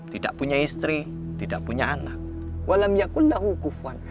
tidak punya istri tidak punya anak